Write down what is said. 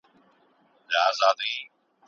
هغه د ملايانو او پوهانو له لارښوونې ګټه واخیسته.